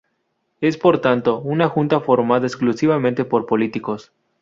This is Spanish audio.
Es, por tanto, una junta formada exclusivamente por políticos.